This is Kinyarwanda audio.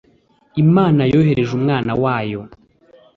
imana yohereje umwana wayo